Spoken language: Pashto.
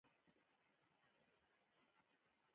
زه په کندهار کښي پوهنتون وایم.